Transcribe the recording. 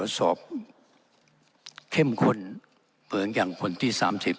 คนทดสอบเข้มข้นเหมือนอย่างคนที่๓๐